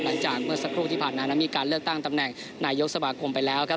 หลังจากเมื่อสักครู่ที่ผ่านมานั้นมีการเลือกตั้งตำแหน่งนายกสมาคมไปแล้วครับ